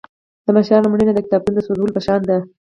د مشرانو مړینه د کتابتون د سوځولو په شان ده.